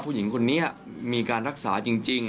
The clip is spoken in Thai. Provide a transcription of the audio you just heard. ผู้หญิงคนนี้มีการรักษาจริง